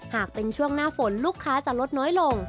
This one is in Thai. หากเป็นช่วงหน้าฝนลูกค้าจะลดน้อยลง